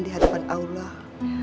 di hadapan allah